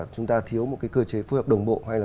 chúng ta thiếu một cái cơ chế phối hợp đồng bộ hay là